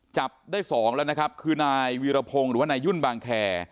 จับได้สองแล้วนะครับคือนายวีรพงศ์หรือว่านายยุ่นบางแคร์